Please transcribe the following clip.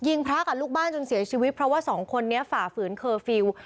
พระกับลูกบ้านจนเสียชีวิตเพราะว่าสองคนนี้ฝ่าฝืนเคอร์ฟิลล์